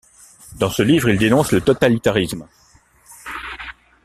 Dans ce livre, il dénonce le totalitarisme.